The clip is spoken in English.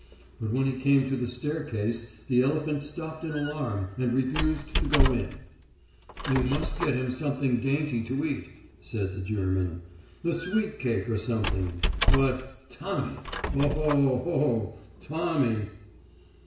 But when he came to the staircase the elephant stopped in alarm, and refused to go on. "You must get him some dainty to eat," said the German.... "A sweet cake or something.... But ... Tommy! ... Oho ho ... Tommy!"